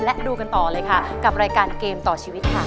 และดูกันต่อเลยค่ะกับรายการเกมต่อชีวิตค่ะ